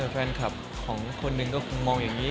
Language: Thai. แฟนคลับของคนหนึ่งก็คงมองอย่างนี้